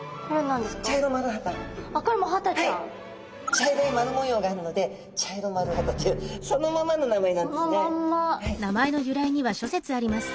茶色い丸模様があるのでチャイロマルハタというそのままの名前なんですね。